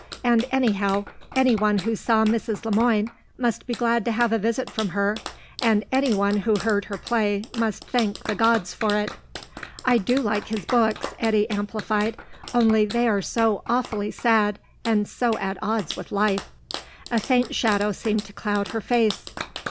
And anyhow anyone who saw Mrs. Le Moine must be glad to have a visit from her, and anyone who heard her play must thank the gods for it. "I do like his books," Eddy amplified; "only they're so awfully sad, and so at odds with life." A faint shadow seemed to cloud her face.